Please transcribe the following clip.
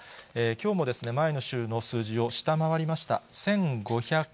きょうも前の週の数字を下回りました。